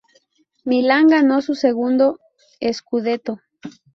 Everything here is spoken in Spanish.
Milan ganó su segundo "scudetto".